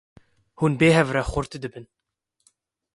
Hûn bi hev re xurt dibin.